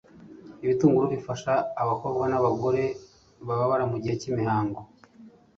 ibitunguru bifasha abakobwa n'abagore bababara mu gihe cy'imihango